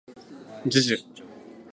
じゅじゅ